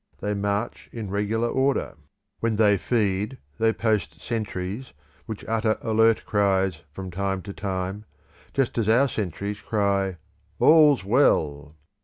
They march in regular order; when they feed they post sentries which utter alert cries from time to time, just as our sentries cry "All's well."